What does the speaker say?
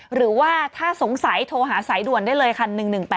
หรือว่าถ้าสงสัยโทรหาสายด่วนได้เลยคัน๑๑๘